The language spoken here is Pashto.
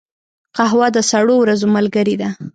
قهوه د سړو ورځو ملګرې ده